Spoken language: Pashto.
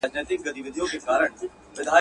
جهاني ما دي د خوبونو تعبیرونه کړي.